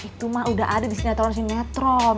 itu mah udah ada di sinetron sinetron